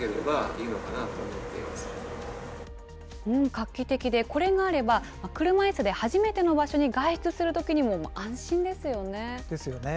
画期的で、これがあれば車いすで初めての場所に外出するときにも安心ですよですよね。